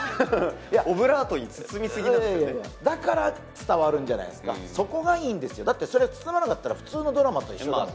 オブラートに包みすぎなんですよねだから伝わるんじゃないですかそこがいいんですよだってそれを包まなかったら普通のドラマと一緒だもん